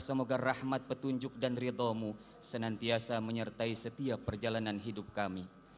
semoga rahmat petunjuk dan ridhomu senantiasa menyertai setiap perjalanan hidup kami